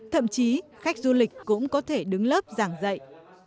thậm chí khách du lịch cũng có thể đứng lớp giảng dạy